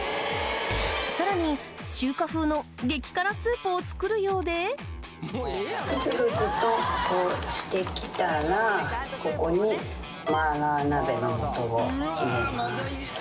さらに中華風の激辛スープを作るようでグツグツとこうしてきたらここに麻辣鍋の素を入れます。